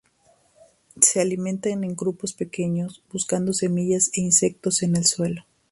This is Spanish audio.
Se alimenta en grupos pequeños buscando semillas e insectos en el suelo.